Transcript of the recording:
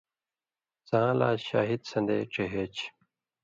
څاں لا شاہِد سن٘دے ڇِہے چھی،